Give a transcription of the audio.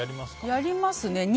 やりますね。